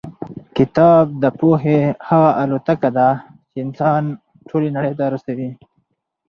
کتاب د پوهې هغه الوتکه ده چې انسان ټولې نړۍ ته رسوي.